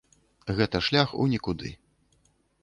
Гэта шлях у нікуды.